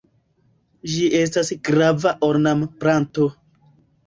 Ĝi estas grava ornamplanto.